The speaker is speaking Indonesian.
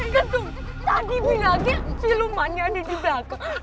gitu tadi binaget filmannya ada di belakang